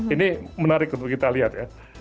ini menarik untuk kita lihat ya